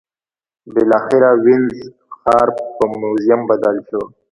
بالاخره وینز ښار پر موزیم بدل شو.